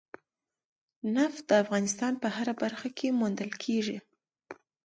نفت د افغانستان په هره برخه کې موندل کېږي.